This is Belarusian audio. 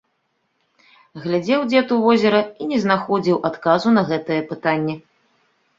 Глядзеў дзед у возера і не знаходзіў адказу на гэтае пытанне.